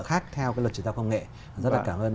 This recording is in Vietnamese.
khác theo cái luật chỉ tạo công nghệ rất là cảm ơn